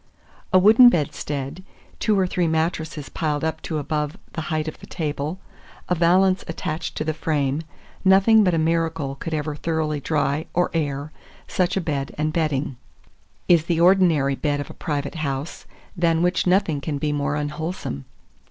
"A wooden bedstead, two or three mattresses piled up to above the height of the table, a vallance attached to the frame, nothing but a miracle could ever thoroughly dry or air such a bed and bedding," is the ordinary bed of a private house, than which nothing can be more unwholesome.